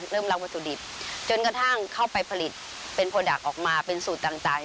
เริ่มรับประสุนิทจนกระทั่งเข้าไปผลิตเป็นผลิตออกมาเป็นสูตรต่าง